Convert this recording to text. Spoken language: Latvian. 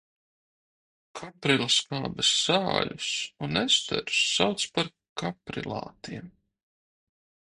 Kaprilskābes sāļus un esterus sauc par kaprilātiem.